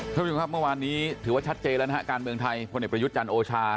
ท่านผู้ชมครับเมื่อวานนี้ถือว่าชัดเจนแล้วนะฮะการเมืองไทยพลเอกประยุทธ์จันทร์โอชา